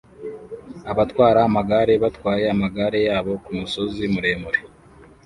Abatwara amagare batwaye amagare yabo kumusozi muremure